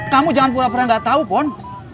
kamu jangan pura pura gak tau popon